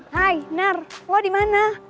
hai kinar lo dimana